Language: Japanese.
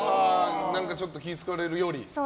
ちょっと気を使われるより？